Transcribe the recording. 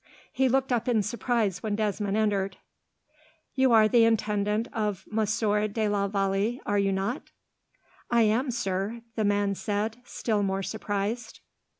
He looked up in surprise when Desmond entered. "You are the intendant of Monsieur de la Vallee, are you not?" "I am, sir," the man said, still more surprised.